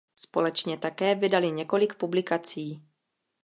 Společně také vydali několik publikací.